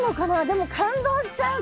でも感動しちゃう。